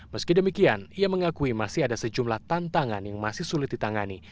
meski demikian ia mengakui masih ada sejumlah tantangan yang masih sulit ditangani